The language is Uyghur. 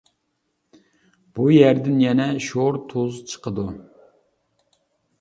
بۇ يەردىن يەنە شور تۇز چىقىدۇ.